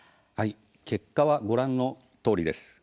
結果はご覧のとおりです。